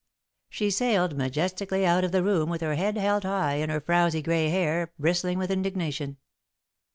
She sailed majestically out of the room with her head held high, and her frowsy grey hair bristling with indignation.